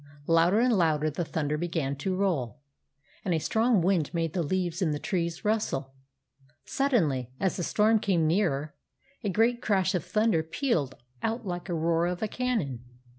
Louder and louder the thunder began to roll, and a strong wind made the leaves in the trees rustle. Sud denly, as the storm came nearer, a great crash of thunder pealed out like the roar of a cannon.